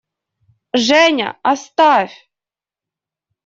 Женя, оставь!